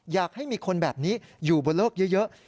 อยากให้มีคนแบบนี้อยู่บนโลกเยอะ